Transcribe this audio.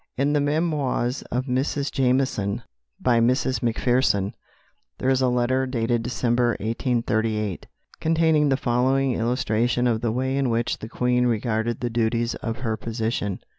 In the Memoirs of Mrs. Jameson, by Mrs. Macpherson, there is a letter, dated December 1838, containing the following illustration of the way in which the Queen regarded the duties of her position.